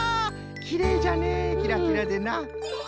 きれいじゃねキラキラでな。